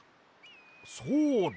そうだ！